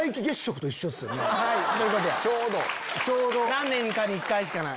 何年かに一回しかない。